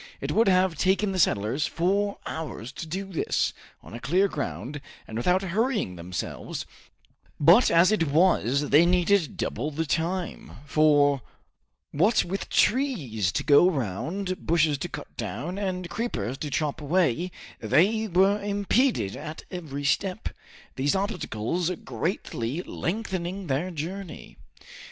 It would have taken the settlers four hours to do this, on a clear ground and without hurrying themselves; but as it was they needed double the time, for what with trees to go round, bushes to cut down, and creepers to chop away, they were impeded at every step, these obstacles greatly lengthening their journey.